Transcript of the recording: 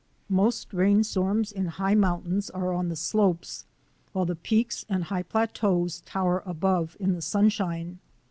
Most rain storms in high mountains are on the slopes, while the peaks and high plateaus tower above in the sunshine.